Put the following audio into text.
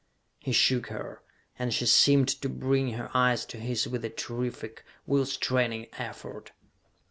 He shook her, and she seemed to bring her eyes to his with a terrific, will straining effort.